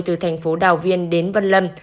từ thành phố đào viên đến vân lâm